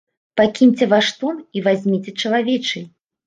Пакіньце ваш тон і вазьміце чалавечы!